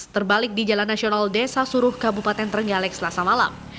terbalik di jalan nasional desa suruh kabupaten trenggalek selasa malam